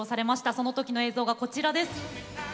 その時の映像がこちらです。